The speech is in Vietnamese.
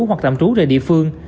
hoặc tạm trú về địa phương